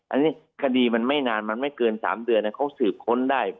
อันนี้คดีมันไม่นานมันไม่เกิน๓เดือนเขาสืบค้นได้